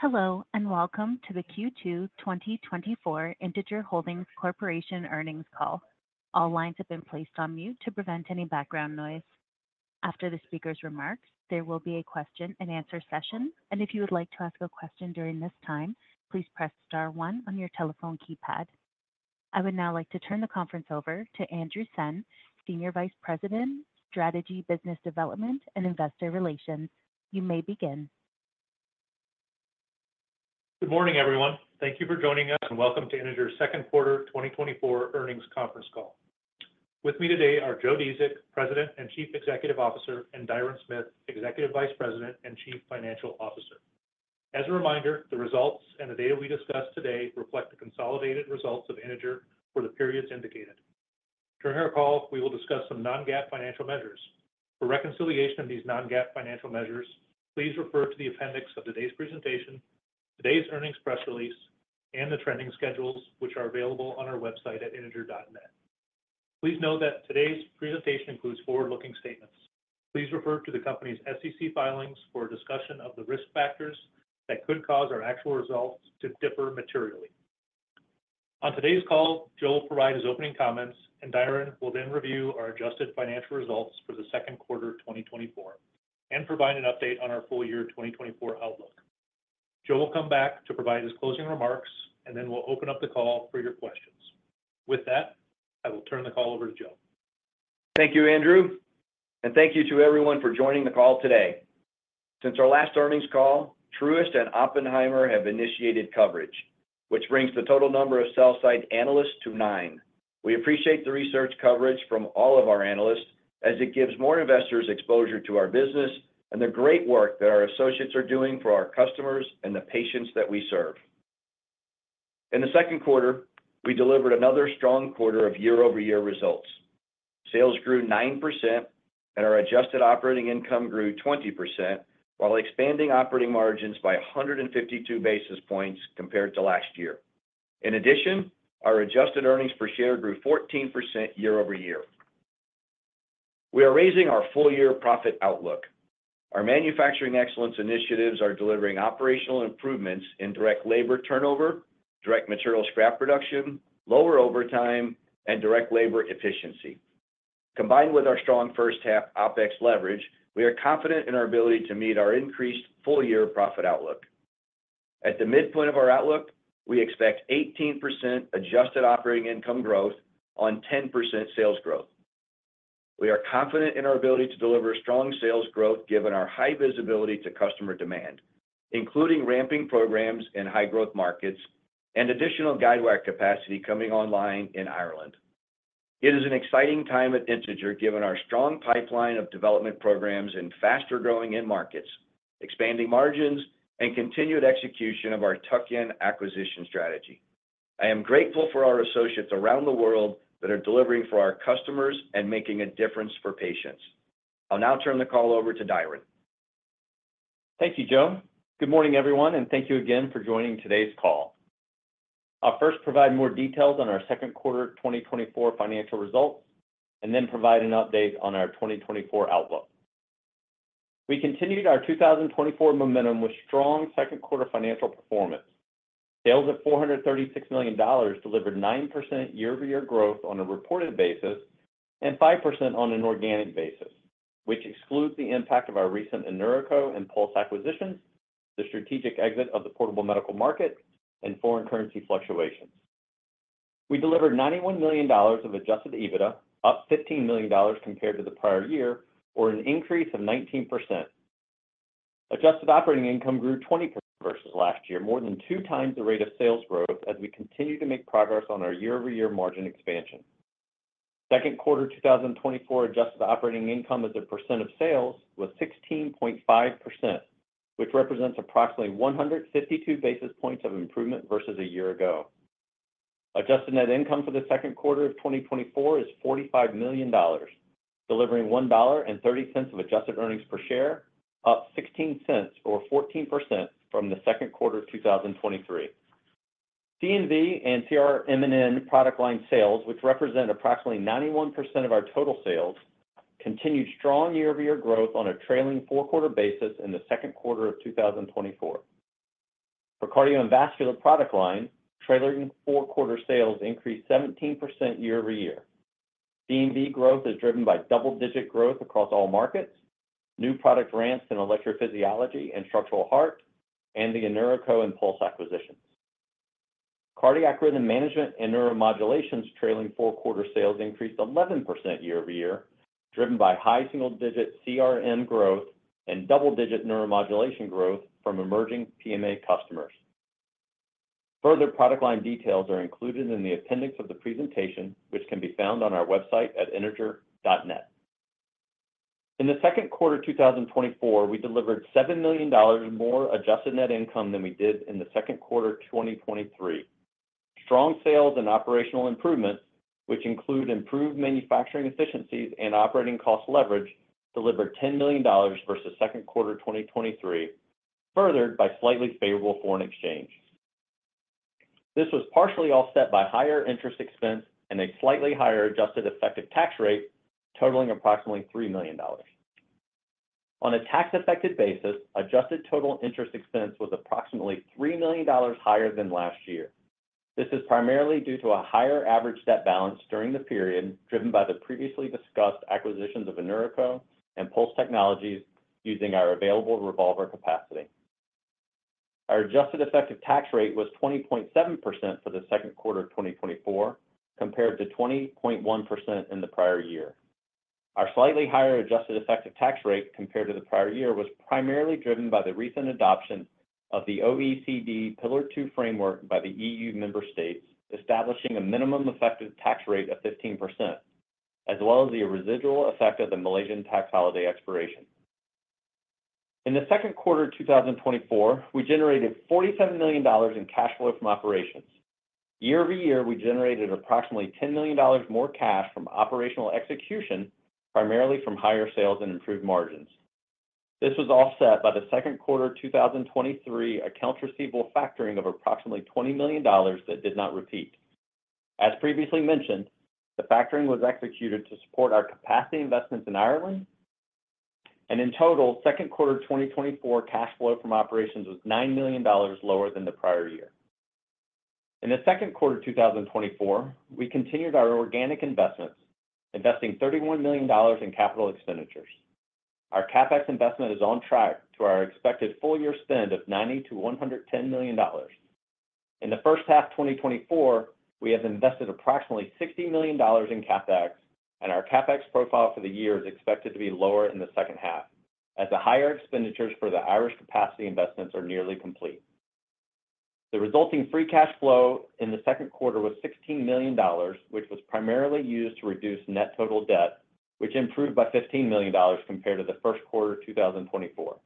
Hello, and welcome to the Q2 2024 Integer Holdings Corporation Earnings Call. All lines have been placed on mute to prevent any background noise. After the speaker's remarks, there will be a question and answer session, and if you would like to ask a question during this time, please press star one on your telephone keypad. I would now like to turn the conference over to Andrew Senn, Senior Vice President, Strategy, Business Development, and Investor Relations. You may begin. Good morning, everyone. Thank you for joining us, and welcome to Integer's Q2 2024 earnings conference call. With me today are Joe Dziedzic, President and Chief Executive Officer, and Diron Smith, Executive Vice President and Chief Financial Officer. As a reminder, the results and the data we discuss today reflect the consolidated results of Integer for the periods indicated. During our call, we will discuss some non-GAAP financial measures. For reconciliation of these non-GAAP financial measures, please refer to the appendix of today's presentation, today's earnings press release, and the trending schedules, which are available on our website at integer.net. Please note that today's presentation includes forward-looking statements. Please refer to the company's SEC filings for a discussion of the risk factors that could cause our actual results to differ materially. On today's call, Joe will provide his opening comments, and Diron will then review our adjusted financial results for the Q2 of 2024 and provide an update on our full year 2024 outlook. Joe will come back to provide his closing remarks, and then we'll open up the call for your questions. With that, I will turn the call over to Joe. Thank you, Andrew, and thank you to everyone for joining the call today. Since our last earnings call, Truist and Oppenheimer have initiated coverage, which brings the total number of sell-side analysts to nine. We appreciate the research coverage from all of our analysts as it gives more investors exposure to our business and the great work that our associates are doing for our customers and the patients that we serve. In the Q2, we delivered another strong quarter of year-over-year results. Sales grew 9%, and our adjusted operating income grew 20%, while expanding operating margins by 152 basis points compared to last year. In addition, our adjusted earnings per share grew 14% year-over-year. We are raising our full-year profit outlook. Our Manufacturing Excellence initiatives are delivering operational improvements in direct labor turnover, direct material scrap reduction, lower overtime, and direct labor efficiency. Combined with our strong first half OpEx leverage, we are confident in our ability to meet our increased full-year profit outlook. At the midpoint of our outlook, we expect 18% adjusted operating income growth on 10% sales growth. We are confident in our ability to deliver strong sales growth, given our high visibility to customer demand, including ramping programs in high growth markets and additional guidewire capacity coming online in Ireland. It is an exciting time at Integer, given our strong pipeline of development programs in faster growing end markets, expanding margins and continued execution of our tuck-in acquisition strategy. I am grateful for our associates around the world that are delivering for our customers and making a difference for patients. I'll now turn the call over to Diron. Thank you, Joe. Good morning, everyone, and thank you again for joining today's call. I'll first provide more details on our Q2 2024 financial results and then provide an update on our 2024 outlook. We continued our 2024 momentum with strong Q2 financial performance. Sales of $436 million delivered 9% year-over-year growth on a reported basis and 5% on an organic basis, which excludes the impact of our recent InNeuroCo and Pulse acquisitions, the strategic exit of the portable medical market and foreign currency fluctuations. We delivered $91 million of Adjusted EBITDA, up $15 million compared to the prior year, or an increase of 19%. Adjusted operating income grew 20% versus last year, more than two times the rate of sales growth as we continue to make progress on our year-over-year margin expansion. Q2 2024 adjusted operating income as a percent of sales was 16.5%, which represents approximately 152 basis points of improvement versus a year ago. Adjusted net income for the Q2 of 2024 is $45 million, delivering $1.30 of adjusted earnings per share, up $0.16 or 14% from the Q2 of 2023. C&V and CRM&N product line sales, which represent approximately 91% of our total sales, continued strong year-over-year growth on a trailing four-quarter basis in the Q2 of 2024. For Cardio and Vascular product line, trailing four-quarter sales increased 17% year-over-year. C&V growth is driven by double-digit growth across all markets, new product ramps in electrophysiology and structural heart, and the InNeuroCo and Pulse acquisitions. Cardiac Rhythm Management and Neuromodulations trailing four-quarter sales increased 11% year-over-year, driven by high single-digit CRM growth and double-digit neuromodulation growth from emerging PMA customers. Further product line details are included in the appendix of the presentation, which can be found on our website at integer.net. In the Q2 of 2024, we delivered $7 million in more adjusted net income than we did in the Q2 of 2023. Strong sales and operational improvements, which include improved manufacturing efficiencies and operating cost leverage, delivered $10 million versus Q2 2023, furthered by slightly favorable foreign exchange. This was partially offset by higher interest expense and a slightly higher adjusted effective tax rate, totaling approximately $3 million. On a tax-affected basis, adjusted total interest expense was approximately $3 million higher than last year. This is primarily due to a higher average debt balance during the period, driven by the previously discussed acquisitions of InNeuroCo and Pulse Technologies, using our available revolver capacity. Our adjusted effective tax rate was 20.7% for the Q2 of 2024, compared to 20.1% in the prior year. Our slightly higher adjusted effective tax rate compared to the prior year was primarily driven by the recent adoption of the OECD Pillar Two framework by the EU member states, establishing a minimum effective tax rate of 15%, as well as the residual effect of the Malaysian tax holiday expiration. In the Q2 of 2024, we generated $47 million in cash flow from operations. Year-over-year, we generated approximately $10 million more cash from operational execution, primarily from higher sales and improved margins. This was offset by the Q2 2023 accounts receivable factoring of approximately $20 million that did not repeat. As previously mentioned, the factoring was executed to support our capacity investments in Ireland, and in total, Q2 2024 cash flow from operations was $9 million lower than the prior year. In the Q2 of 2024, we continued our organic investments, investing $31 million in capital expenditures. Our CapEx investment is on track to our expected full year spend of $90 million-$110 million. In the first half 2024, we have invested approximately $60 million in CapEx, and our CapEx profile for the year is expected to be lower in the second half, as the higher expenditures for the Irish capacity investments are nearly complete. The resulting free cash flow in the Q2 was $16 million, which was primarily used to reduce net total debt, which improved by $15 million compared to the Q1 of 2024.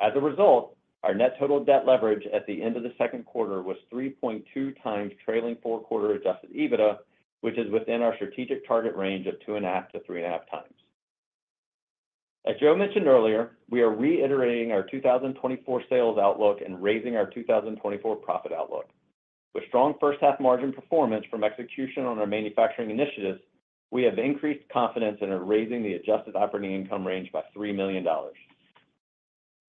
As a result, our net total debt leverage at the end of the Q2 was 3.2x trailing four-quarter Adjusted EBITDA, which is within our strategic target range of 2.5x-3.5x. As Joe mentioned earlier, we are reiterating our 2024 sales outlook and raising our 2024 profit outlook. With strong first half margin performance from execution on our manufacturing initiatives, we have increased confidence and are raising the adjusted operating income range by $3 million.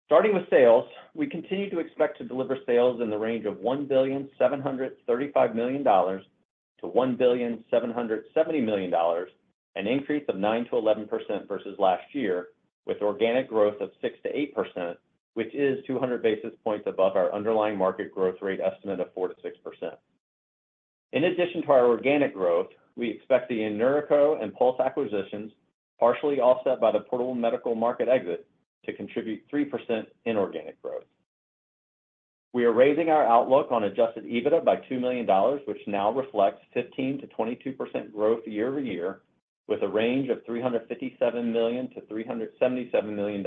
Starting with sales, we continue to expect to deliver sales in the range of $1.735 billion-$1.77 billion, an increase of 9%-11% versus last year, with organic growth of 6%-8%, which is 200 basis points above our underlying market growth rate estimate of 4%-6%. In addition to our organic growth, we expect the InNeuroCo and Pulse acquisitions, partially offset by the portable medical market exit, to contribute 3% inorganic growth. We are raising our outlook on Adjusted EBITDA by $2 million, which now reflects 15%-22% growth year-over-year, with a range of $357 million-$377 million,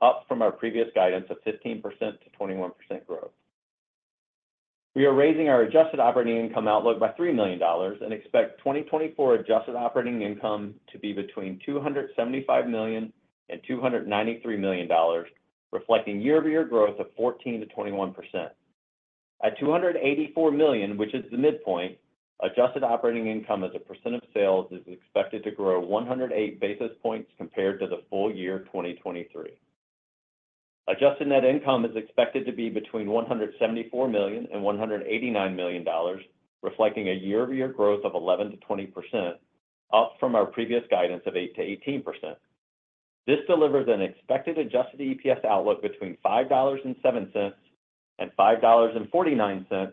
up from our previous guidance of 15%-21% growth. We are raising our Adjusted operating income outlook by $3 million and expect 2024 Adjusted operating income to be between $275 million and $293 million, reflecting year-over-year growth of 14%-21%. At $284 million, which is the midpoint, Adjusted operating income as a percent of sales is expected to grow 108 basis points compared to the full year of 2023. Adjusted net income is expected to be between $174 million and $189 million, reflecting a year-over-year growth of 11%-20%, up from our previous guidance of 8%-18%. This delivers an expected Adjusted EPS outlook between $5.07 and $5.49,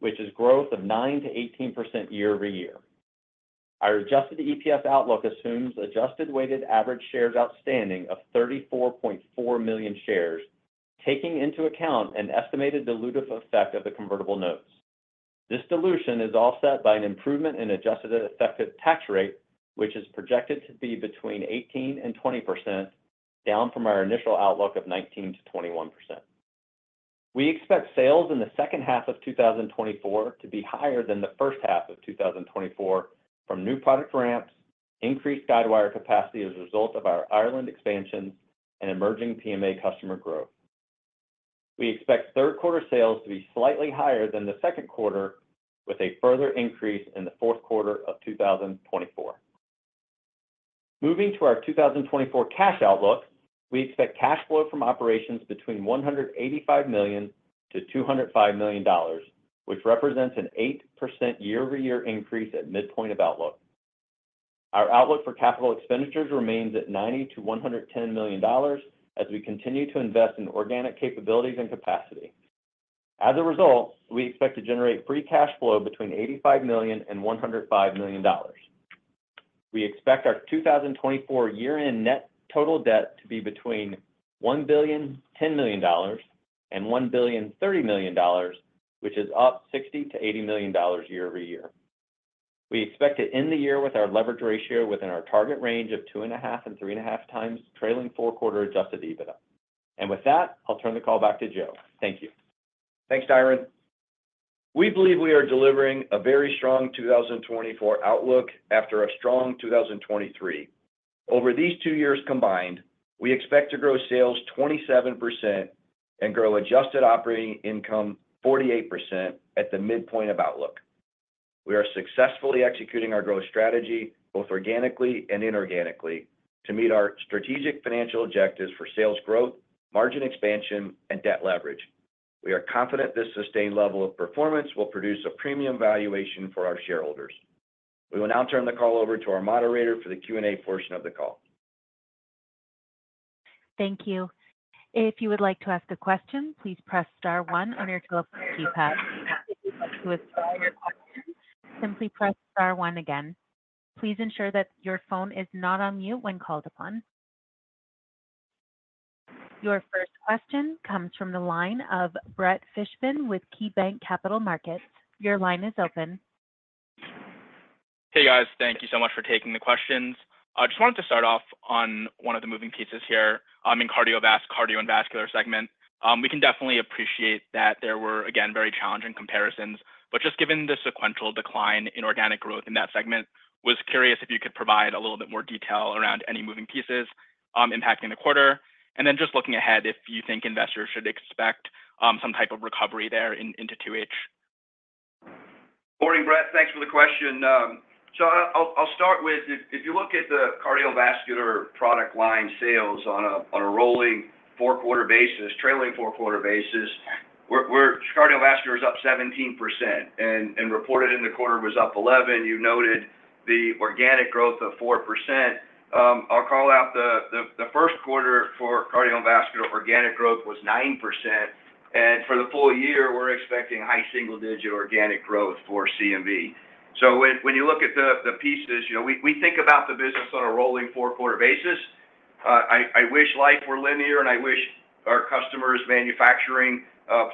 which is growth of 9%-18% year-over-year. Our adjusted EPS outlook assumes adjusted weighted average shares outstanding of 34.4 million shares, taking into account an estimated dilutive effect of the convertible notes. This dilution is offset by an improvement in adjusted effective tax rate, which is projected to be between 18% and 20%, down from our initial outlook of 19%-21%. We expect sales in the second half of 2024 to be higher than the first half of 2024 from new product ramps, increased guidewire capacity as a result of our Ireland expansion, and emerging PMA customer growth. We expect Q3 sales to be slightly higher than the Q2, with a further increase in the Q4 of 2024. Moving to our 2024 cash outlook, we expect cash flow from operations between $185 million and $205 million, which represents an 8% year-over-year increase at midpoint of outlook. Our outlook for capital expenditures remains at $90-$110 million as we continue to invest in organic capabilities and capacity. As a result, we expect to generate free cash flow between $85 million and $105 million. We expect our 2024 year-end net total debt to be between $1.01 billion and $1.03 billion, which is up $60-$80 million year-over-year. We expect to end the year with our leverage ratio within our target range of 2.5x-3.5x trailing four-quarter Adjusted EBITDA. With that, I'll turn the call back to Joe. Thank you. Thanks, Diron. We believe we are delivering a very strong 2024 outlook after a strong 2023. Over these two years combined, we expect to grow sales 27% and grow adjusted operating income 48% at the midpoint of outlook. We are successfully executing our growth strategy, both organically and inorganically, to meet our strategic financial objectives for sales growth, margin expansion, and debt leverage. We are confident this sustained level of performance will produce a premium valuation for our shareholders. We will now turn the call over to our moderator for the Q&A portion of the call. Thank you. If you would like to ask a question, please press star one on your telephone keypad. If you'd like to withdraw your question, simply press star one again. Please ensure that your phone is not on mute when called upon. Your first question comes from the line of Brett Fishbin with KeyBanc Capital Markets. Your line is open. Hey, guys. Thank you so much for taking the questions. I just wanted to start off on one of the moving pieces here, in Cardio and Vascular segment. We can definitely appreciate that there were, again, very challenging comparisons, but just given the sequential decline in organic growth in that segment, was curious if you could provide a little bit more detail around any moving pieces, impacting the quarter. And then just looking ahead, if you think investors should expect, some type of recovery there in, into 2H? Morning, Brett. Thanks for the question. So I'll start with if you look at the Cardio and Vascular product line sales on a rolling four-quarter basis, trailing four-quarter basis, we're Cardio and Vascular is up 17%, and reported in the quarter was up 11%. You noted the organic growth of 4%. I'll call out the Q1 for Cardio and Vascular organic growth was 9%, and for the full year, we're expecting high single-digit organic growth for C&V. So when you look at the pieces, you know, we think about the business on a rolling four-quarter basis. I wish life were linear, and I wish our customers' manufacturing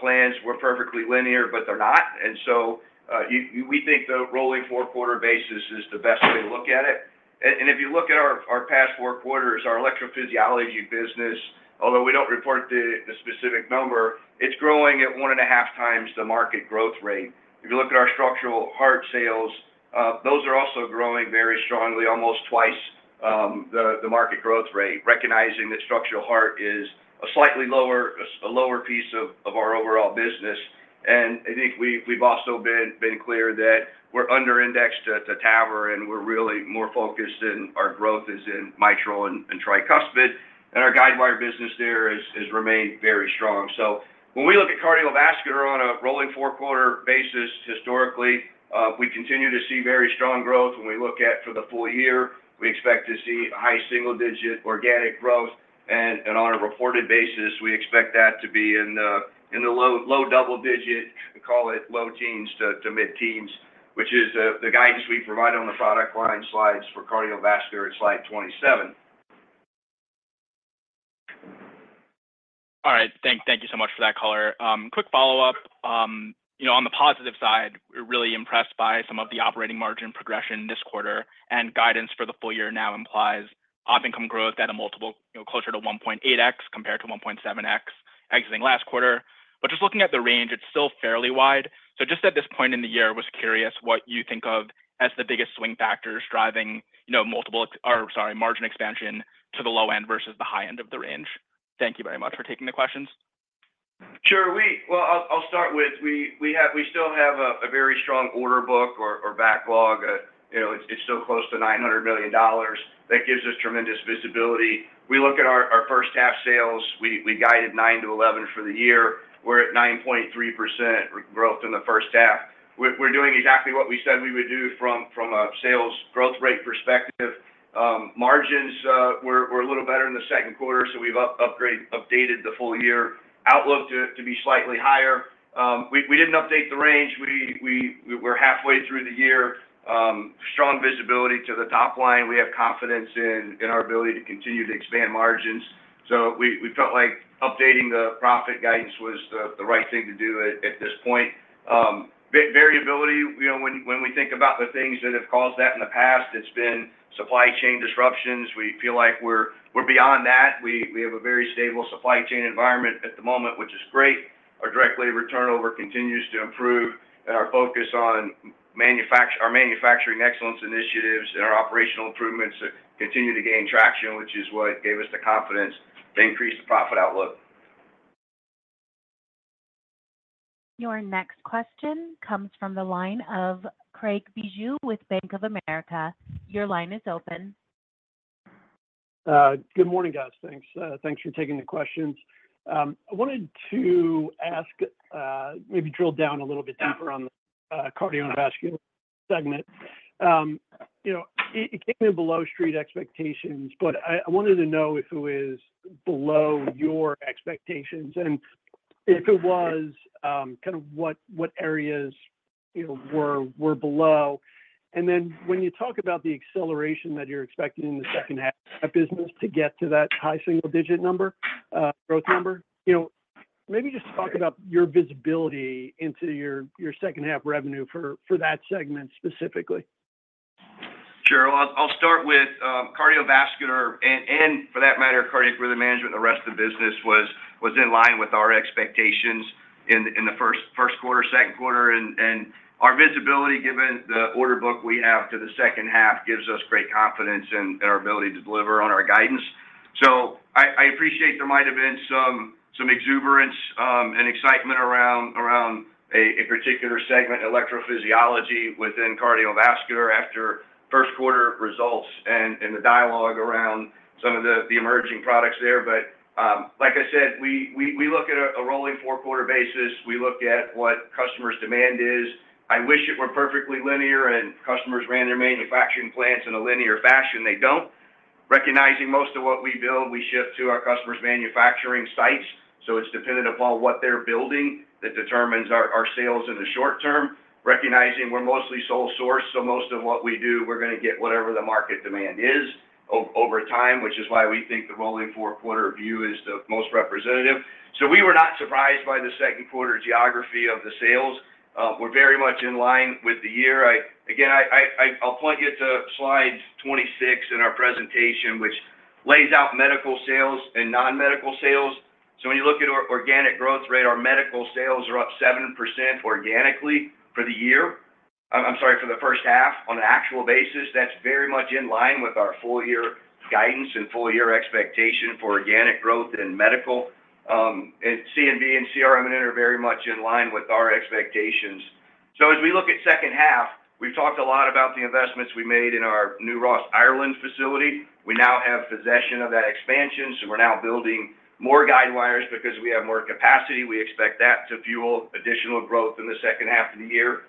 plans were perfectly linear, but they're not. And so we think the rolling four-quarter basis is the best way to look at it. If you look at our past 4 quarters, our electrophysiology business, although we don't report the specific number, it's growing at 1.5x the market growth rate. If you look at our structural heart sales, those are also growing very strongly, almost two times the market growth rate, recognizing that structural heart is a slightly lower, as a lower piece of our overall business. And I think we've also been clear that we're under indexed to TAVR, and we're really more focused in our growth is in mitral and tricuspid, and our guide wire business there has remained very strong. When we look at Cardio and Vascular on a rolling four-quarter basis, historically, we continue to see very strong growth. When we look at for the full year, we expect to see high single-digit organic growth, and on a reported basis, we expect that to be in the low double-digit, call it low teens to mid-teens, which is the guidance we provide on the product line slides for Cardio and Vascular in Slide 27. All right. Thank you so much for that color. Quick follow-up. You know, on the positive side, we're really impressed by some of the operating margin progression this quarter, and guidance for the full year now implies op income growth at a multiple, you know, closer to 1.8x compared to 1.7x, exiting last quarter. But just looking at the range, it's still fairly wide. So just at this point in the year, was curious what you think of as the biggest swing factors driving, you know, multiple or, sorry, margin expansion to the low end versus the high end of the range. Thank you very much for taking the questions. Sure. Well, I'll start with we still have a very strong order book or backlog. You know, it's still close to $900 million. That gives us tremendous visibility. We look at our first half sales, we guided 9%-11% for the year. We're at 9.3% growth in the first half. We're doing exactly what we said we would do from a sales growth rate perspective. Margins were a little better in the Q2, so we've updated the full year outlook to be slightly higher. We didn't update the range. We're halfway through the year. Strong visibility to the top line. We have confidence in our ability to continue to expand margins. So we felt like updating the profit guidance was the right thing to do at this point. Variability, you know, when we think about the things that have caused that in the past, it's been supply chain disruptions. We feel like we're beyond that. We have a very stable supply chain environment at the moment, which is great. Our direct labor turnover continues to improve, and our focus on our Manufacturing Excellence initiatives and our operational improvements continue to gain traction, which is what gave us the confidence to increase the profit outlook. Your next question comes from the line of Craig Bijou with Bank of America. Your line is open. Good morning, guys. Thanks. Thanks for taking the questions. I wanted to ask, maybe drill down a little bit deeper on the Cardio and Vascular segment. You know, it came in below street expectations, but I wanted to know if it is below your expectations, and if it was, kind of what areas, you know, were below. And then when you talk about the acceleration that you're expecting in the second half of business to get to that high single-digit number, growth number, you know, maybe just talk about your visibility into your second-half revenue for that segment, specifically. Sure. I'll start with Cardio and Vascular, and for that matter, cardiac rhythm management. The rest of the business was in line with our expectations in the Q1, Q2, and our visibility, given the order book we have to the second half, gives us great confidence in our ability to deliver on our guidance. So I appreciate there might have been some exuberance and excitement around a particular segment, electrophysiology, within Cardio and Vascular after Q1 results and the dialogue around some of the emerging products there. But like I said, we look at a rolling four-quarter basis. We look at what customers' demand is. I wish it were perfectly linear and customers ran their manufacturing plants in a linear fashion. They don't. Recognizing most of what we build, we ship to our customers' manufacturing sites, so it's dependent upon what they're building that determines our sales in the short term. Recognizing we're mostly sole source, so most of what we do, we're gonna get whatever the market demand is over time, which is why we think the rolling four-quarter view is the most representative. So we were not surprised by the Q2 geography of the sales. We're very much in line with the year. Again, I'll point you to Slide 26 in our presentation, which lays out medical sales and non-medical sales. So when you look at our organic growth rate, our medical sales are up 7% organically for the year. I'm sorry, for the first half on an actual basis. That's very much in line with our full year guidance and full year expectation for organic growth in medical. And C&V and CRM&N are very much in line with our expectations. So as we look at second half, we've talked a lot about the investments we made in our New Ross, Ireland, facility. We now have possession of that expansion, so we're now building more guidewires because we have more capacity. We expect that to fuel additional growth in the second half of the year.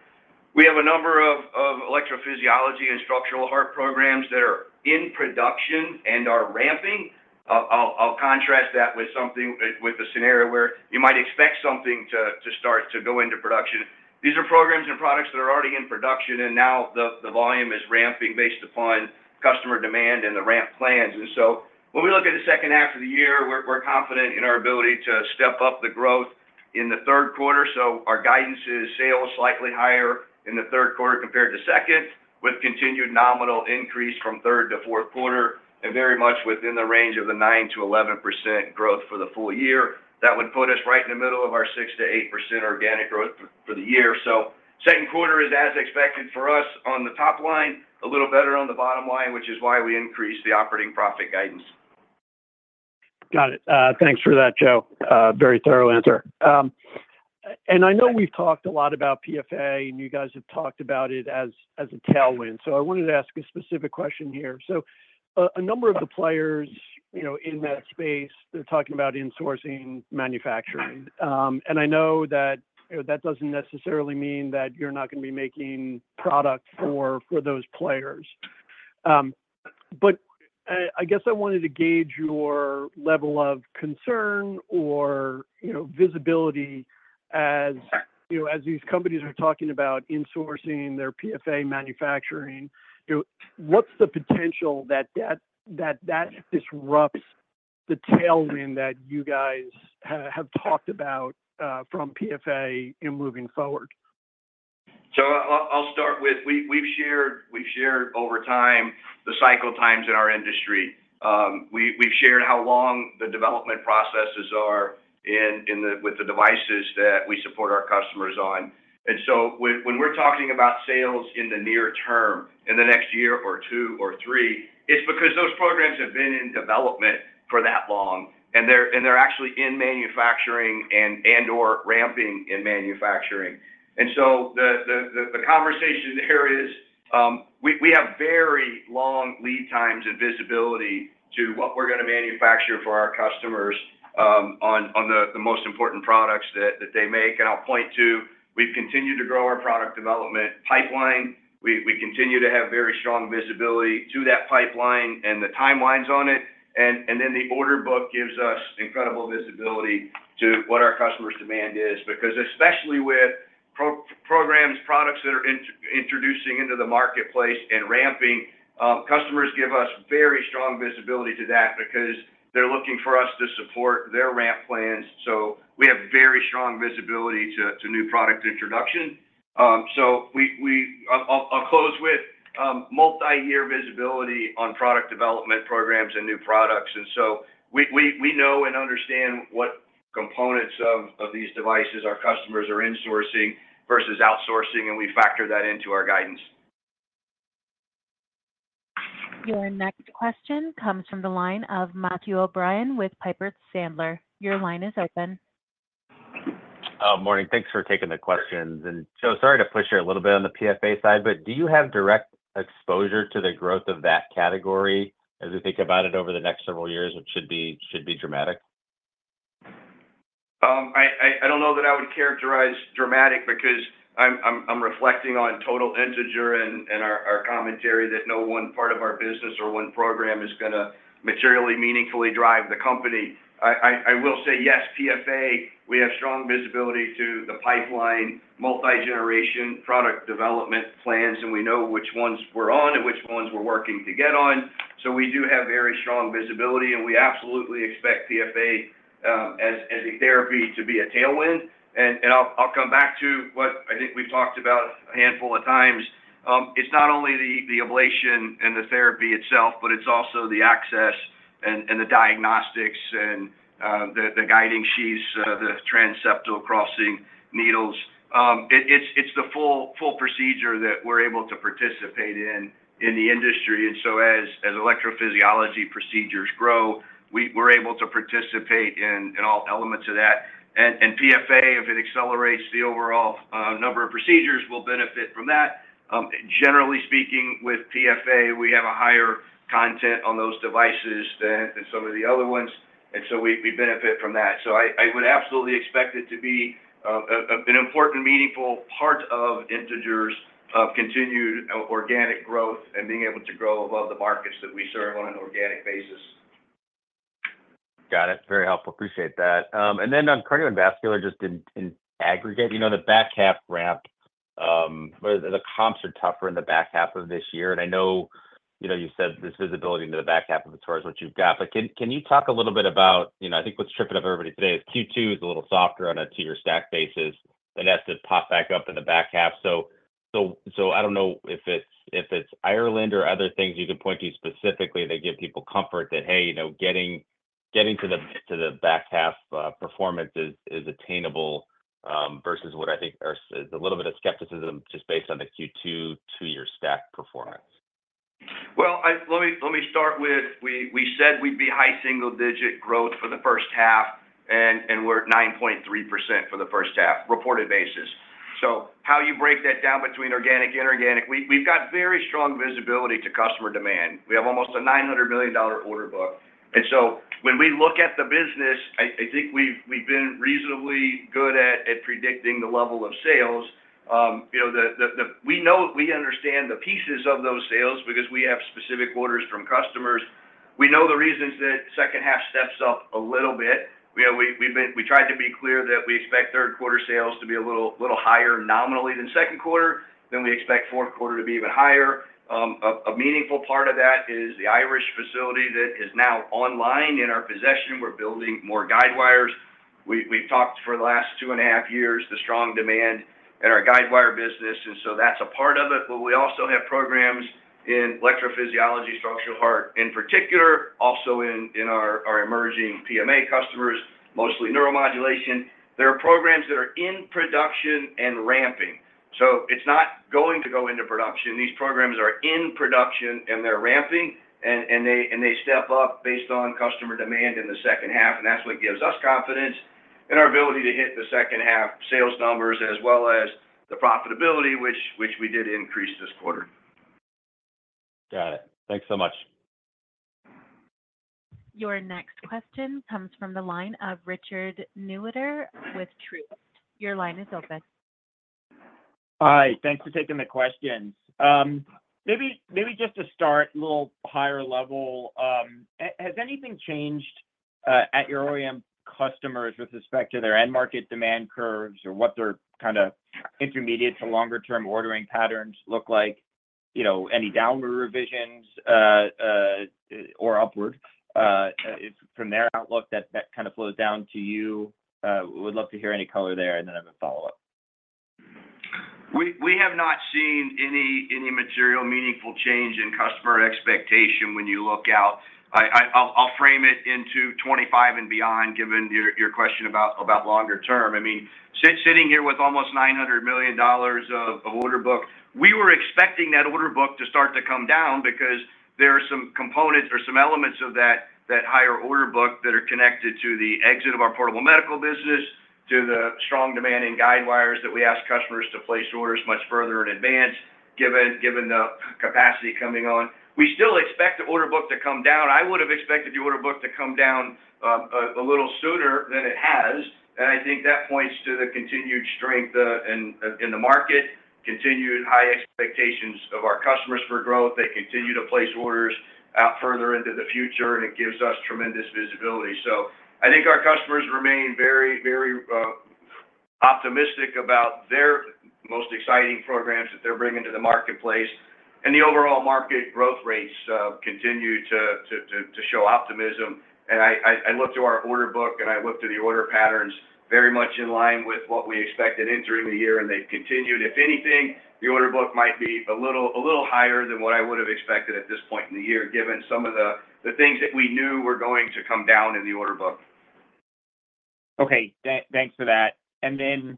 We have a number of electrophysiology and structural heart programs that are in production and are ramping. I'll contrast that with something with a scenario where you might expect something to start to go into production. These are programs and products that are already in production, and now the volume is ramping based upon customer demand and the ramp plans. And so when we look at the second half of the year, we're confident in our ability to step up the growth in the Q3. So our guidance is sales slightly higher in the Q3 compared to second, with continued nominal increase from Q3 to Q4, and very much within the range of the 9%-11% growth for the full year. That would put us right in the middle of our 6%-8% organic growth for the year. So Q2 is as expected for us on the top line, a little better on the bottom line, which is why we increased the operating profit guidance. Got it. Thanks for that, Joe. Very thorough answer. I know we've talked a lot about PFA, and you guys have talked about it as a tailwind, so I wanted to ask a specific question here. A number of the players, you know, in that space, they're talking about insourcing manufacturing. I know that, you know, that doesn't necessarily mean that you're not gonna be making product for those players. But I guess I wanted to gauge your level of concern or, you know, visibility as, you know, as these companies are talking about insourcing their PFA manufacturing, you know, what's the potential that disrupts the tailwind that you guys have talked about from PFA in moving forward? So I'll start with. We've shared over time the cycle times in our industry. We've shared how long the development processes are in with the devices that we support our customers on. And so when we're talking about sales in the near term, in the next year or two or three, it's because those programs have been in development for that long, and they're actually in manufacturing and/or ramping in manufacturing. And so the conversation here is, we have very long lead times and visibility to what we're gonna manufacture for our customers, on the most important products that they make. And I'll point to, we've continued to grow our product development pipeline. We continue to have very strong visibility to that pipeline and the timelines on it, and then the order book gives us incredible visibility to what our customers' demand is. Because especially with programs, products that are introducing into the marketplace and ramping, customers give us very strong visibility to that because they're looking for us to support their ramp plans, so we have very strong visibility to new product introduction. So I'll close with multi-year visibility on product development programs and new products. And so we know and understand what components of these devices our customers are insourcing versus outsourcing, and we factor that into our guidance. Your next question comes from the line of Matthew O'Brien with Piper Sandler. Your line is open. Morning. Thanks for taking the questions. And Joe, sorry to push you a little bit on the PFA side, but do you have direct exposure to the growth of that category as we think about it over the next several years, which should be, should be dramatic? I don't know that I would characterize dramatic because I'm reflecting on total Integer and our commentary that no one part of our business or one program is gonna materially, meaningfully drive the company. I will say, yes, PFA, we have strong visibility to the pipeline, multi-generation product development plans, and we know which ones we're on and which ones we're working to get on. So we do have very strong visibility, and we absolutely expect PFA as a therapy to be a tailwind. And I'll come back to what I think we've talked about a handful of times. It's not only the ablation and the therapy itself, but it's also the access and the diagnostics and the guiding sheaths, the transseptal crossing needles. It's the full procedure that we're able to participate in the industry. And so as electrophysiology procedures grow, we're able to participate in all elements of that. And PFA, if it accelerates the overall number of procedures, we'll benefit from that. Generally speaking, with PFA, we have a higher content on those devices than some of the other ones, and so we benefit from that. So I would absolutely expect it to be an important, meaningful part of Integer's continued organic growth and being able to grow above the markets that we serve on an organic basis. Got it. Very helpful. Appreciate that. And then on Cardio and Vascular, just in aggregate, you know, the back half ramp, where the comps are tougher in the back half of this year. And I know, you know, you said there's visibility into the back half of the quarter is what you've got. But can you talk a little bit about, you know, I think what's tripping up everybody today is Q2 is a little softer on a two-year stack basis. It has to pop back up in the back half. So I don't know if it's Ireland or other things you could point to specifically that give people comfort that, hey, you know, getting to the back half performance is attainable versus what I think there's a little bit of skepticism just based on the Q2 two-year stack performance. Well, let me start with, we said we'd be high single-digit growth for the first half, and we're at 9.3% for the first half, reported basis. So how you break that down between organic, inorganic, we've got very strong visibility to customer demand. We have almost a $900 million order book. And so when we look at the business, I think we've been reasonably good at predicting the level of sales. You know, we know, we understand the pieces of those sales because we have specific orders from customers. We know the reasons that second half steps up a little bit. You know, we've tried to be clear that we expect Q3 sales to be a little higher nominally than Q2, then we expect Q4 to be even higher. A meaningful part of that is the Irish facility that is now online in our possession. We're building more guidewires. We've talked for the last 2.5 years, the strong demand in our guidewire business, and so that's a part of it. But we also have programs in electrophysiology, structural heart in particular, also in our emerging PMA customers, mostly neuromodulation. There are programs that are in production and ramping, so it's not going to go into production. These programs are in production, and they're ramping, and they step up based on customer demand in the second half, and that's what gives us confidence in our ability to hit the second half sales numbers as well as the profitability which we did increase this quarter. Got it. Thanks so much. Your next question comes from the line of Richard Newitter with Truist. Your line is open. Hi, thanks for taking the questions. Maybe just to start a little higher level, has anything changed at your OEM customers with respect to their end market demand curves or what their kind of intermediate to longer term ordering patterns look like? You know, any downward revisions or upward from their outlook that kind of flows down to you? Would love to hear any color there, and then I have a follow-up. We have not seen any material meaningful change in customer expectation when you look out. I'll frame it into 2025 and beyond, given your question about longer term. I mean, sitting here with almost $900 million of order book, we were expecting that order book to start to come down because there are some components or some elements of that higher order book that are connected to the exit of our portable medical business, to the strong demand in guidewires that we ask customers to place orders much further in advance, given the capacity coming on. We still expect the order book to come down. I would have expected the order book to come down a little sooner than it has, and I think that points to the continued strength in the market, continued high expectations of our customers for growth. They continue to place orders out further into the future, and it gives us tremendous visibility. So I think our customers remain very, very optimistic about their most exciting programs that they're bringing to the marketplace. And the overall market growth rates continue to show optimism. And I look through our order book, and I look through the order patterns very much in line with what we expected entering the year, and they've continued. If anything, the order book might be a little higher than what I would have expected at this point in the year, given some of the things that we knew were going to come down in the order book. Okay. Thanks for that. And then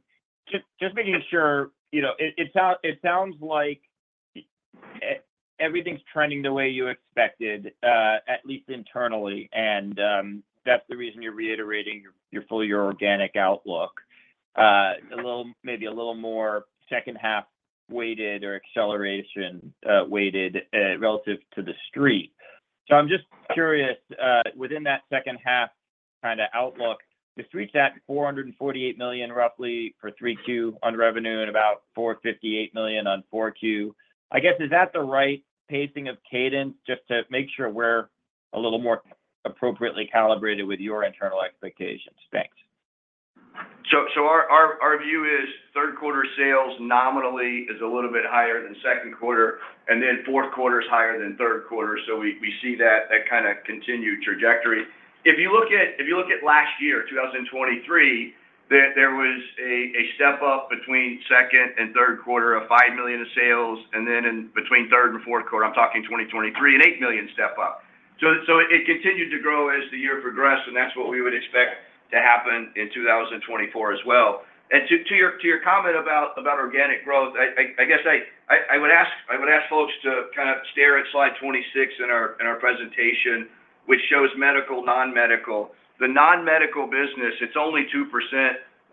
just making sure, you know, it sounds like everything's trending the way you expected, at least internally, and that's the reason you're reiterating your fully organic outlook. A little, maybe a little more second half weighted or acceleration weighted, relative to the street. So I'm just curious, within that second half kind of outlook, the street's at $448 million, roughly, for 3Q on revenue and about $458 million on 4Q. I guess, is that the right pacing of cadence just to make sure we're a little more appropriately calibrated with your internal expectations? Thanks. So our view is Q3 sales nominally is a little bit higher than Q2, and then Q4 is higher than Q3. So we see that kind of continued trajectory. If you look at last year, 2023, there was a step up between Q2 and Q3 of $5 million in sales, and then in between Q3 and Q4, I'm talking 2023, an $8 million step up. So it continued to grow as the year progressed, and that's what we would expect to happen in 2024 as well. And to your comment about organic growth, I guess I would ask folks to kind of stare at Slide 26 in our presentation, which shows medical, non-medical. The non-medical business, it's only 2%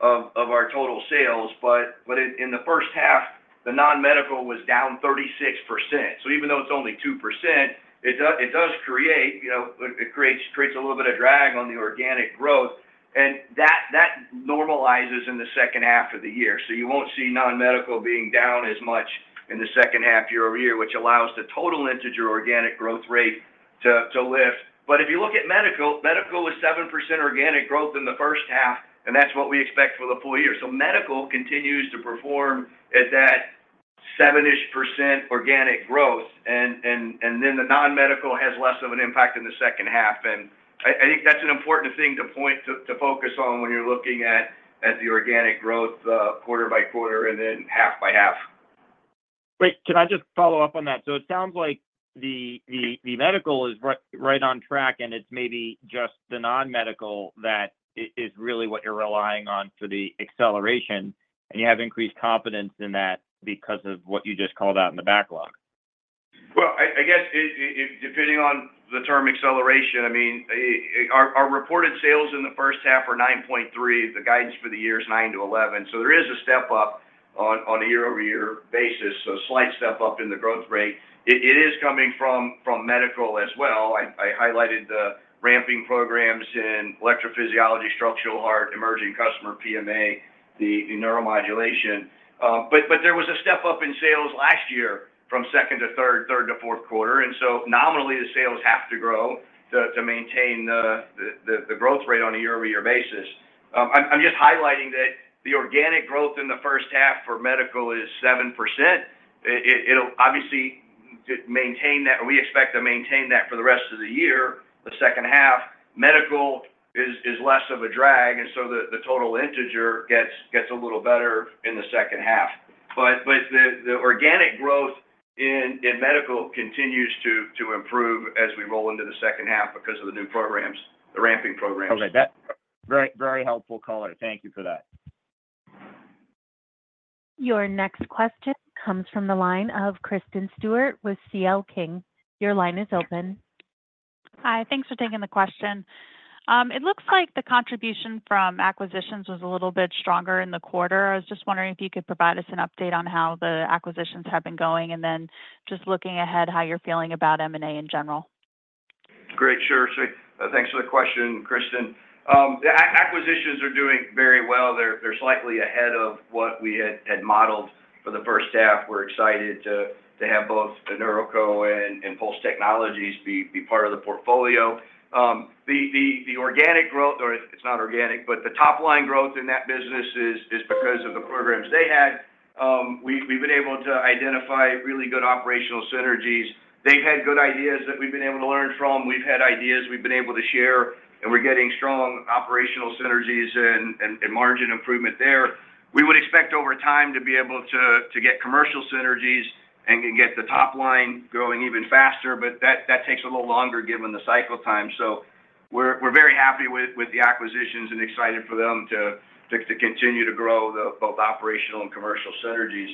of our total sales, but in the first half, the non-medical was down 36%. So even though it's only 2%, it does create, you know, it creates a little bit of drag on the organic growth, and that normalizes in the second half of the year. So you won't see non-medical being down as much in the second half year-over-year, which allows the total Integer organic growth rate to lift. But if you look at medical, medical was 7% organic growth in the first half, and that's what we expect for the full year. So medical continues to perform at that 7-ish% organic growth, and then the non-medical has less of an impact in the second half. And I think that's an important thing to point to focus on when you're looking at the organic growth, quarter by quarter and then half by half. Great. Can I just follow-up on that? So it sounds like the medical is right, right on track, and it's maybe just the non-medical that is really what you're relying on for the acceleration, and you have increased confidence in that because of what you just called out in the backlog. Well, I guess depending on the term acceleration, I mean, our reported sales in the first half were 9.3%. The guidance for the year is 9%-11%, so there is a step up on a year-over-year basis, so a slight step up in the growth rate. It is coming from medical as well. I highlighted the ramping programs in electrophysiology, structural heart, emerging customer PMA, the neuromodulation. But there was a step up in sales last year from Q2 to Q3, Q3 to Q4, and so nominally, the sales have to grow to maintain the growth rate on a year-over-year basis. I'm just highlighting that the organic growth in the first half for medical is 7%. It'll obviously maintain that, and we expect to maintain that for the rest of the year. The second half, medical is less of a drag, and so the total Integer gets a little better in the second half. But the organic growth in medical continues to improve as we roll into the second half because of the new programs, the ramping programs. Okay. Very, very helpful color. Thank you for that. Your next question comes from the line of Kristen Stewart with CL King. Your line is open. Hi, thanks for taking the question. It looks like the contribution from acquisitions was a little bit stronger in the quarter. I was just wondering if you could provide us an update on how the acquisitions have been going, and then just looking ahead, how you're feeling about M&A in general? Great. Sure. So thanks for the question, Kristen. The acquisitions are doing very well. They're slightly ahead of what we had modeled for the first half. We're excited to have both the InNeuroCo and Pulse Technologies be part of the portfolio. The organic growth, or it's not organic, but the top-line growth in that business is because of the programs they had. We've been able to identify really good operational synergies. They've had good ideas that we've been able to learn from. We've had ideas we've been able to share, and we're getting strong operational synergies and margin improvement there. We would expect over time to be able to get commercial synergies and can get the top line growing even faster, but that takes a little longer given the cycle time. So we're very happy with the acquisitions and excited for them to continue to grow both operational and commercial synergies.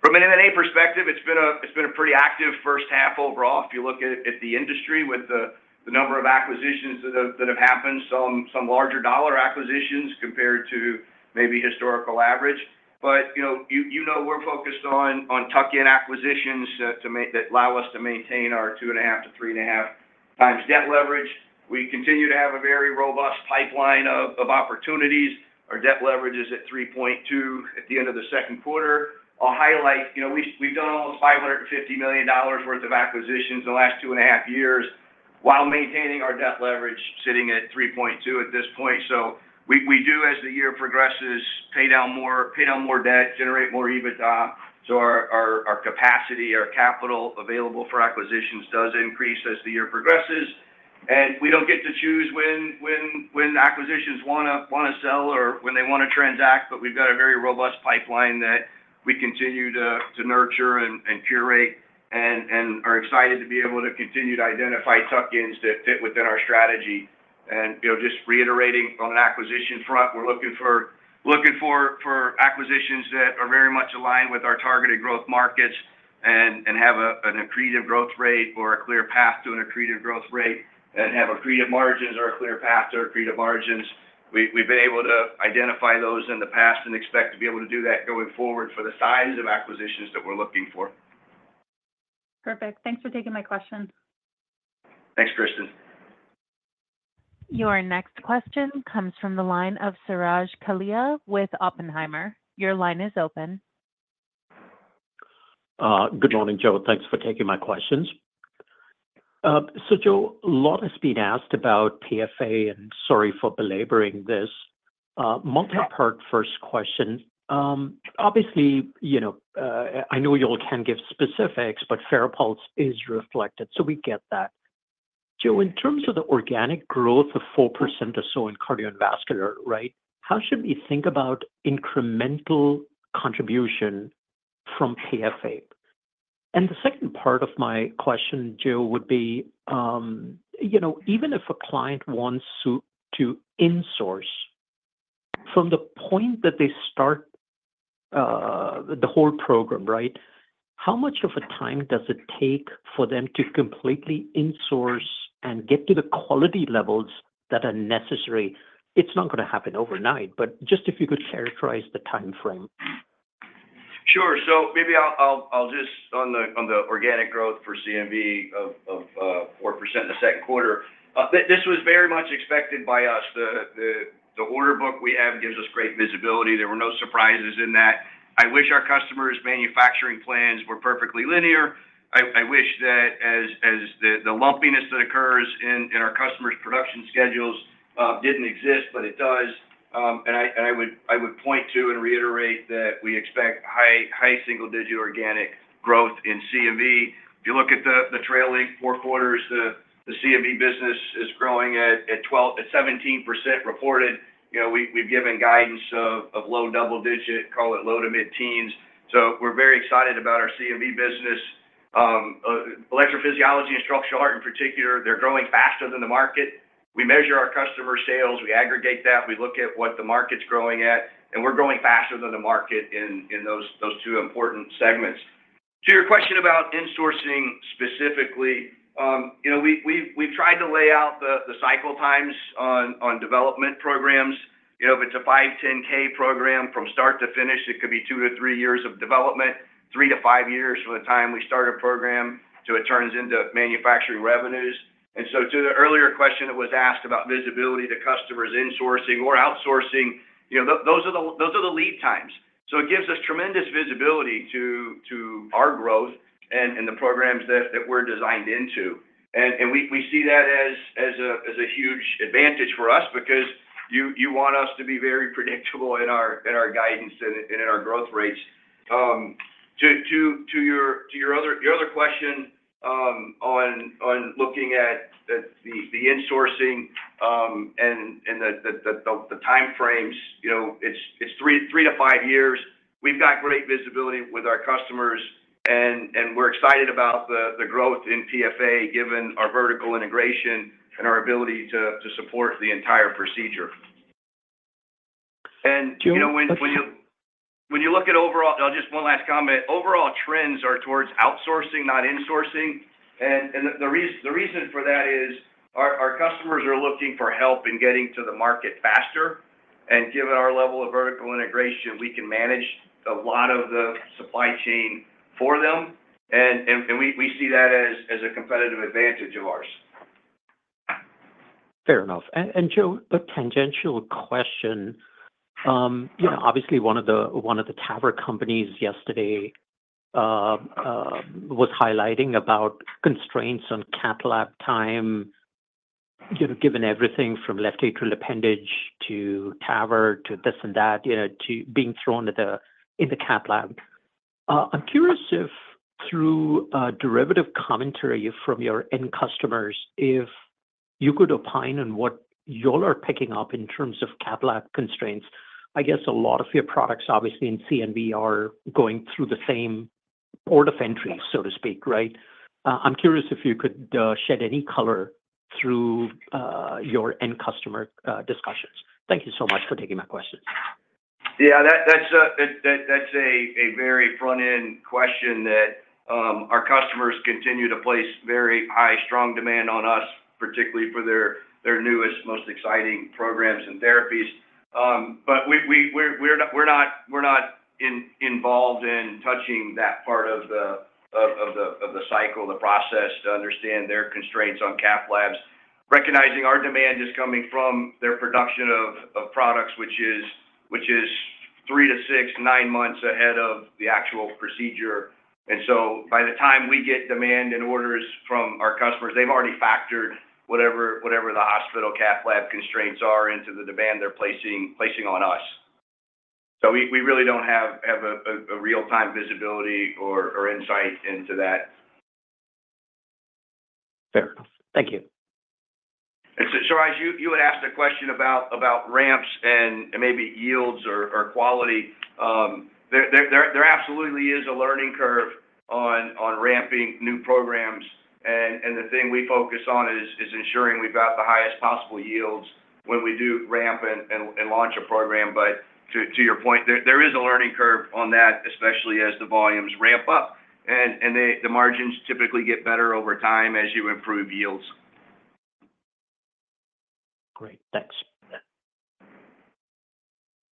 From an M&A perspective, it's been a pretty active first half overall. If you look at the industry with the number of acquisitions that have happened, some larger dollar acquisitions compared to maybe historical average. But you know, we're focused on tuck-in acquisitions that allow us to maintain our 2.5x-3.5x debt leverage. We continue to have a very robust pipeline of opportunities. Our debt leverage is at 3.2x at the end of the Q2. I'll highlight, you know, we've done almost $550 million worth of acquisitions in the last 2.5 years while maintaining our debt leverage sitting at 3.2x at this point. So we do, as the year progresses, pay down more debt, generate more EBITDA. So our capacity, our capital available for acquisitions does increase as the year progresses, and we don't get to choose when acquisitions wanna sell or when they want to transact. But we've got a very robust pipeline that we continue to nurture and curate and are excited to be able to continue to identify tuck-ins that fit within our strategy. You know, just reiterating on the acquisition front, we're looking for acquisitions that are very much aligned with our targeted growth markets and have an accretive growth rate or a clear path to an accretive growth rate and have accretive margins or a clear path to accretive margins. We've been able to identify those in the past and expect to be able to do that going forward for the size of acquisitions that we're looking for. Perfect. Thanks for taking my question. Thanks, Kristen. Your next question comes from the line of Suraj Kalia with Oppenheimer. Your line is open. Good morning, Joe. Thanks for taking my questions. A lot has been asked about PFA, and sorry for belaboring this. Multi-part first question. Obviously, you know, I know you all can't give specifics, but Farapulse is reflected, so we get that. Joe, in terms of the organic growth of 4% or so in Cardio and Vascular, right, how should we think about incremental contribution from PFA? And the second part of my question, Joe, would be, you know, even if a client wants to insource from the point that they start, the whole program, right, how much of a time does it take for them to completely insource and get to the quality levels that are necessary? It's not gonna happen overnight, but just if you could characterize the timeframe. Sure. So maybe I'll just on the organic growth for C&V of 4% in the Q2, this was very much expected by us. The order book we have gives us great visibility. There were no surprises in that. I wish our customers' manufacturing plans were perfectly linear. I wish that the lumpiness that occurs in our customers' production schedules didn't exist, but it does. And I would point to and reiterate that we expect high single-digit organic growth in C&V. If you look at the trailing four quarters, the C&V business is growing at 17% reported. You know, we've given guidance of low double-digit, call it low to mid-teens. So we're very excited about our C&V business. Electrophysiology and structural heart in particular, they're growing faster than the market. We measure our customer sales, we aggregate that, we look at what the market's growing at, and we're growing faster than the market in those two important segments. To your question about insourcing specifically, you know, we've tried to lay out the cycle times on development programs. You know, if it's a 510(k) program from start to finish, it could be two years or three years of development, three years to five years from the time we start a program to it turns into manufacturing revenues. And so to the earlier question that was asked about visibility to customers insourcing or outsourcing, you know, those are the lead times. So it gives us tremendous visibility to our growth and the programs that we're designed into. And we see that as a huge advantage for us because you want us to be very predictable in our guidance and in our growth rates. To your other question, on looking at the insourcing and the time frames, you know, it's three years to five years. We've got great visibility with our customers, and we're excited about the growth in PFA, given our vertical integration and our ability to support the entire procedure. And you know, when you- Okay When you look at overall, just one last comment, overall trends are towards outsourcing, not insourcing. And the reason for that is our customers are looking for help in getting to the market faster. And given our level of vertical integration, we can manage a lot of the supply chain for them, and we see that as a competitive advantage of ours. Fair enough. And Joe, a tangential question. You know, obviously, one of the TAVR companies yesterday was highlighting about constraints on cath lab time, you know, given everything from left atrial appendage to TAVR to this and that, you know, to being thrown at the, in the cath lab. I'm curious if through derivative commentary from your end customers, if you could opine on what you all are picking up in terms of cath lab constraints. I guess a lot of your products, obviously, in C&V are going through the same port of entry, so to speak, right? I'm curious if you could shed any color through your end customer discussions. Thank you so much for taking my questions. Yeah, that's a very front-end question that our customers continue to place very high, strong demand on us, particularly for their newest, most exciting programs and therapies. But we're not involved in touching that part of the cycle, the process to understand their constraints on cath labs. Recognizing our demand is coming from their production of products, which is three months to nine months ahead of the actual procedure. And so by the time we get demand and orders from our customers, they've already factored whatever the hospital cath lab constraints are into the demand they're placing on us. So we really don't have a real-time visibility or insight into that. Fair enough. Thank you. And so as you had asked a question about ramps and maybe yields or quality. There absolutely is a learning curve on ramping new programs, and the thing we focus on is ensuring we've got the highest possible yields when we do ramp and launch a program. But to your point, there is a learning curve on that, especially as the volumes ramp up, and the margins typically get better over time as you improve yields. Great. Thanks.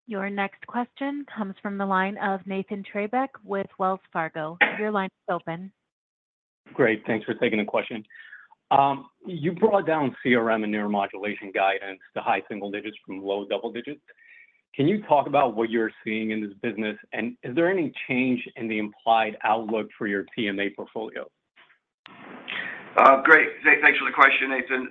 Your next question comes from the line of Nathan Treybeck with Wells Fargo. Your line is open. Great, thanks for taking the question. You brought down CRM and neuromodulation guidance to high single-digits from low double-digits. Can you talk about what you're seeing in this business, and is there any change in the implied outlook for your PMA portfolio? Great. Thanks for the question, Nathan.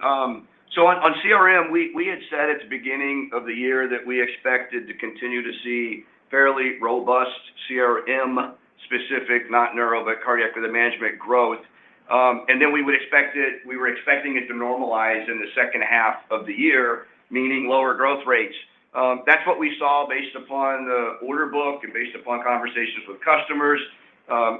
So on CRM, we had said at the beginning of the year that we expected to continue to see fairly robust CRM specific, not neuro, but cardiac rhythm management growth. And then we would expect it - we were expecting it to normalize in the second half of the year, meaning lower growth rates. That's what we saw based upon the order book and based upon conversations with customers.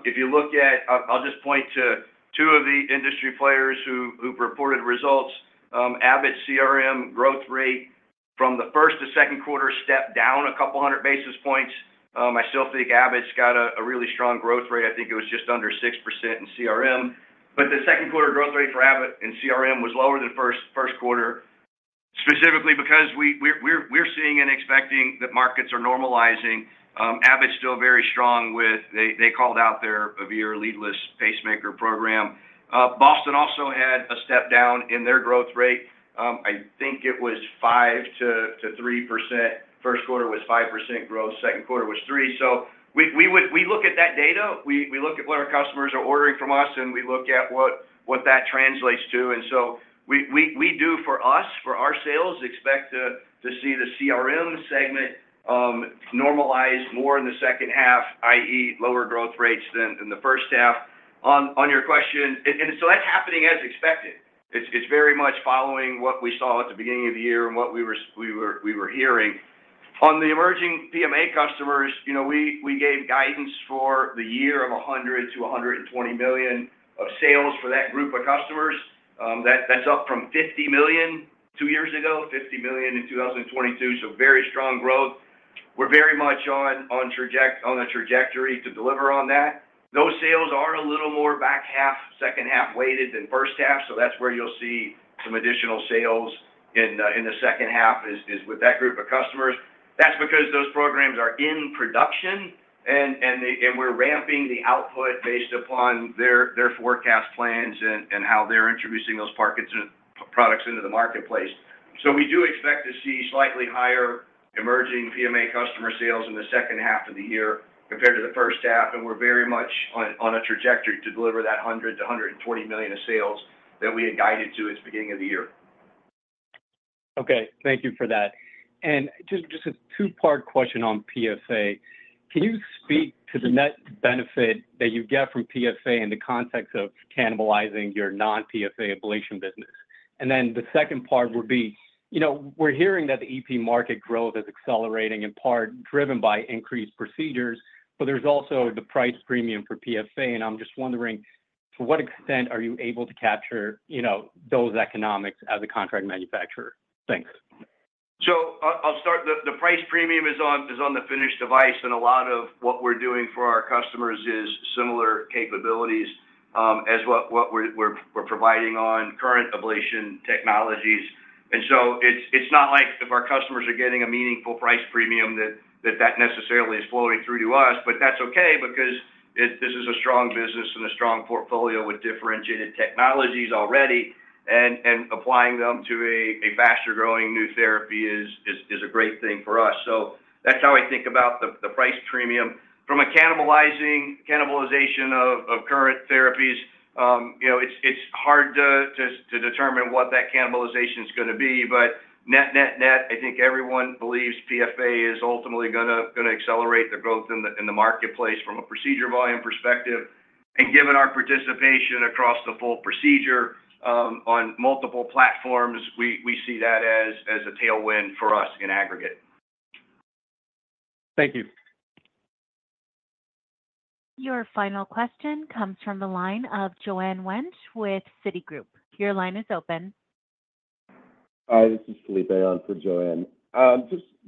If you look at, I'll just point to two of the industry players who've reported results. Abbott's CRM growth rate from the first to Q2 stepped down 200 basis points. I still think Abbott's got a really strong growth rate. I think it was just under 6% in CRM, but the Q2 growth rate for Abbott in CRM was lower than Q1, specifically because we're seeing and expecting that markets are normalizing. Abbott's still very strong with. They called out their Aveir leadless pacemaker program. Boston also had a step down in their growth rate. I think it was 5%-3%. Q1 was 5% growth, Q2 was 3%. So we do, for our sales, expect to see the CRM segment normalize more in the second half, i.e., lower growth rates than in the first half. On your question... And so that's happening as expected. It's very much following what we saw at the beginning of the year and what we were hearing. On the emerging PMA customers, you know, we gave guidance for the year of $100 million-$120 million of sales for that group of customers. That's up from $50 million two years ago, $50 million in 2022. So very strong growth. We're very much on a trajectory to deliver on that. Those sales are a little more back half, second half weighted than first half, so that's where you'll see some additional sales in the second half with that group of customers. That's because those programs are in production, and they and we're ramping the output based upon their forecast plans and how they're introducing those markets and products into the marketplace. So we do expect to see slightly higher emerging PMA customer sales in the second half of the year compared to the first half, and we're very much on a trajectory to deliver that $100 million-$120 million of sales that we had guided to at the beginning of the year. Okay, thank you for that. And just, just a two-part question on PFA. Can you speak to the net benefit that you get from PFA in the context of cannibalizing your non-PFA ablation business? And then the second part would be, you know, we're hearing that the EP market growth is accelerating, in part driven by increased procedures, but there's also the price premium for PFA. And I'm just wondering, to what extent are you able to capture, you know, those economics as a contract manufacturer? Thanks. So, I'll start. The price premium is on the finished device, and a lot of what we're doing for our customers is similar capabilities as what we're providing on current ablation technologies. So it's not like if our customers are getting a meaningful price premium, that necessarily is flowing through to us. But that's okay because it this is a strong business and a strong portfolio with differentiated technologies already, and applying them to a faster-growing new therapy is a great thing for us. So that's how I think about the price premium. From a cannibalization of current therapies, you know, it's hard to determine what that cannibalization is going to be, but net, I think everyone believes PFA is ultimately gonna accelerate the growth in the marketplace from a procedure volume perspective. And given our participation across the full procedure, on multiple platforms, we see that as a tailwind for us in aggregate. Thank you. Your final question comes from the line of Joanne Wuensch with Citigroup. Your line is open. Hi, this is Felipe on for Joanne.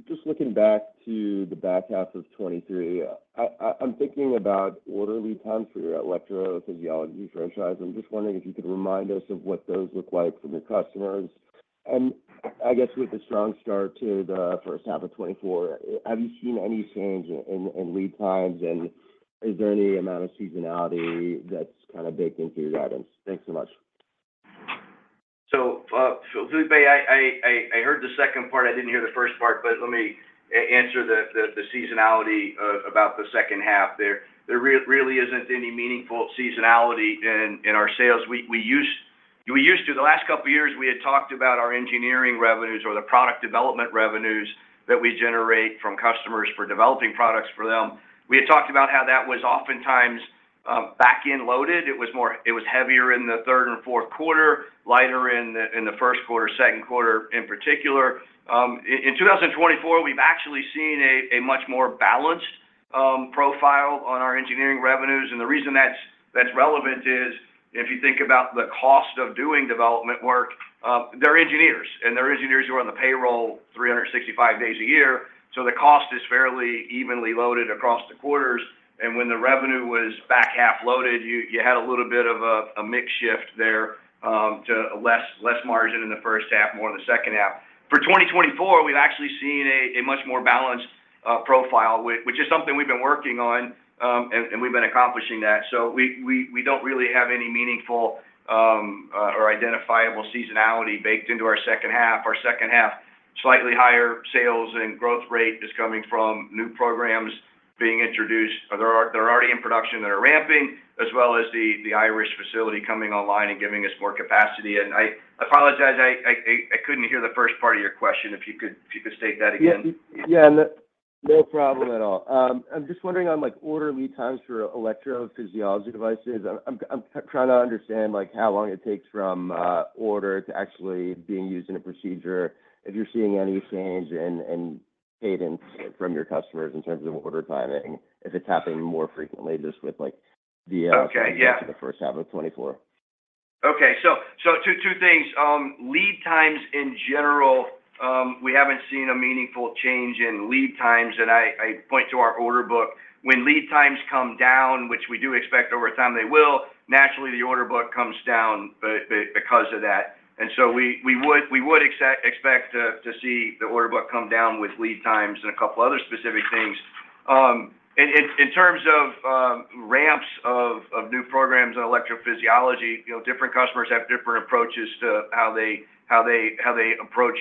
Just looking back to the back half of 2023, I'm thinking about order lead times for your electrophysiology franchise. I'm just wondering if you could remind us of what those look like for your customers. And I guess with the strong start to the first half of 2024, have you seen any change in lead times, and is there any amount of seasonality that's kind of baked into your guidance? Thanks so much. So, Felipe, I heard the second part. I didn't hear the first part, but let me answer the seasonality of about the second half. There really isn't any meaningful seasonality in our sales. We used to, the last couple of years, we had talked about our engineering revenues or the product development revenues that we generate from customers for developing products for them. We had talked about how that was oftentimes back-end loaded. It was heavier in the Q3 and Q4, lighter in the Q1, Q2 in particular. In 2024, we've actually seen a much more balanced profile on our engineering revenues. The reason that's relevant is, if you think about the cost of doing development work, they're engineers, and they're engineers who are on the payroll 365 days a year, so the cost is fairly evenly loaded across the quarters. And when the revenue was back half loaded, you had a little bit of a mix shift there to less margin in the first half, more in the second half. For 2024, we've actually seen a much more balanced profile, which is something we've been working on, and we've been accomplishing that. So we don't really have any meaningful or identifiable seasonality baked into our second half. Slightly higher sales and growth rate is coming from new programs being introduced. They're already in production, they're ramping, as well as the Irish facility coming online and giving us more capacity. And I apologize, I couldn't hear the first part of your question. If you could state that again. Yeah. Yeah, no problem at all. I'm just wondering on, like, order lead times for electrophysiology devices. I'm trying to understand, like, how long it takes from order to actually being used in a procedure, if you're seeing any change in cadence from your customers in terms of order timing, if it's happening more frequently just with, like, the- first half of 2024. Okay. So, two things. Lead times in general, we haven't seen a meaningful change in lead times, and I point to our order book. When lead times come down, which we do expect over time, they will naturally the order book comes down because of that. And so we would expect to see the order book come down with lead times and a couple other specific things. In terms of ramps of new programs and electrophysiology, you know, different customers have different approaches to how they approach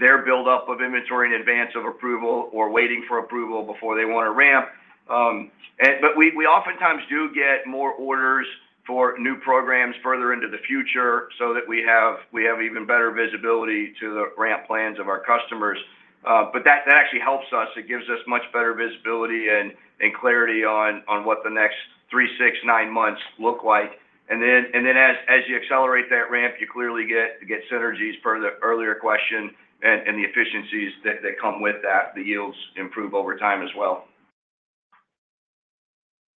their buildup of inventory in advance of approval or waiting for approval before they want to ramp. But we oftentimes do get more orders for new programs further into the future so that we have even better visibility to the ramp plans of our customers. But that actually helps us. It gives us much better visibility and clarity on what the next three, six, nine months look like. And then as you accelerate that ramp, you clearly get synergies per the earlier question and the efficiencies that come with that. The yields improve over time as well.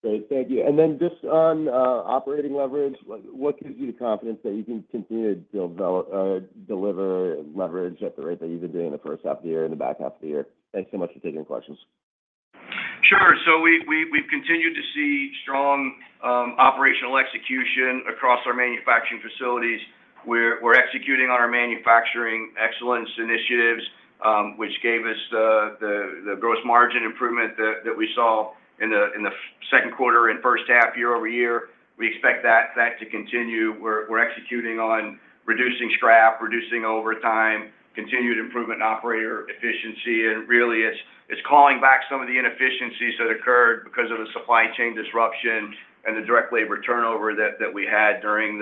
Great. Thank you. And then just on operating leverage, what gives you the confidence that you can continue to develop, deliver leverage at the rate that you've been doing in the first half of the year and the back half of the year? Thanks so much for taking the questions. Sure. So we've continued to see strong operational execution across our manufacturing facilities. We're executing on our Manufacturing Excellence initiatives, which gave us the gross margin improvement that we saw in the Q2 and first half year-over-year. We expect that to continue. We're executing on reducing scrap, reducing overtime, continued improvement in operator efficiency, and really, it's calling back some of the inefficiencies that occurred because of the supply chain disruption and the direct labor turnover that we had during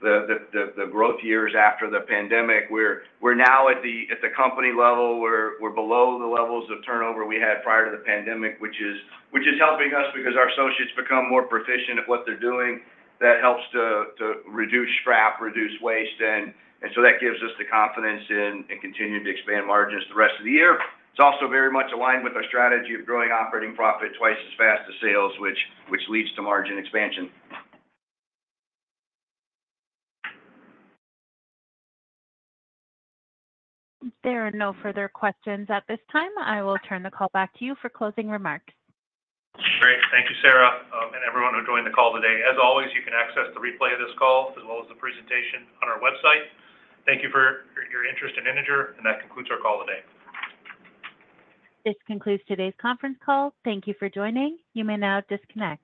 the growth years after the pandemic. We're now at the company level, we're below the levels of turnover we had prior to the pandemic, which is helping us because our associates become more proficient at what they're doing. That helps to reduce scrap, reduce waste, and so that gives us the confidence in continuing to expand margins the rest of the year. It's also very much aligned with our strategy of growing operating profit twice as fast as sales, which leads to margin expansion. There are no further questions at this time. I will turn the call back to you for closing remarks. Great. Thank you, Sarah, and everyone who joined the call today. As always, you can access the replay of this call as well as the presentation on our website. Thank you for your interest in Integer, and that concludes our call today. This concludes today's conference call. Thank you for joining. You may now disconnect.